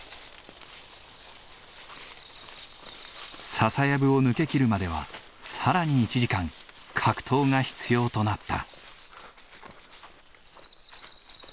笹やぶを抜けきるまでは更に１時間格闘が必要となった。